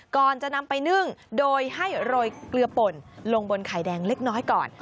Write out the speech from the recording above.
ก่อนจะนำไปนึ่งโดยให้โรยเกลือป่นลงบนไข่แดงเล็กน้อยก่อน